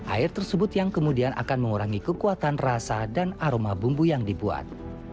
air tersebut yang kemudian akan mengurangi kekuatan rasa dan aroma bumbu yang dibuat